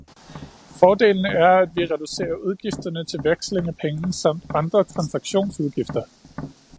Fordelen er, at vi reducerer udgifterne til veksling af penge samt andre transaktionsudgifter.